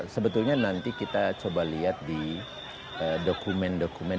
sebetulnya nanti kita coba lihat di dokumen dokumen